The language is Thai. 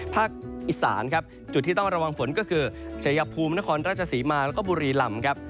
ภาคอีสานครับจุดที่ต้องระวังฝนก็คือชัยภูมินครราชศรีมาแล้วก็บุรีลำครับ